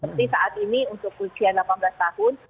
jadi saat ini untuk usia delapan belas tahun